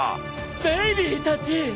ベイビーたち！